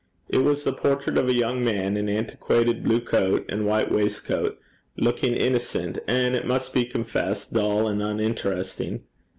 It was the portrait of a young man in antiquated blue coat and white waistcoat, looking innocent, and, it must be confessed, dull and uninteresting.